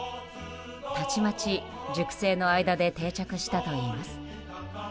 たちまち塾生の間で定着したといいます。